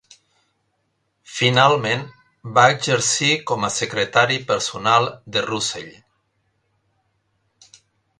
Finalment va exercir com a secretari personal de Russell.